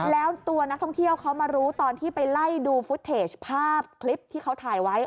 แล้วตัวนักท่องเที่ยวเขามารู้ตอนที่ไปไล่ดูฟุตเทจภาพคลิปที่เขาถ่ายไว้